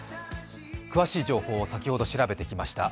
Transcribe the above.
詳しい情報を先ほど調べてきました。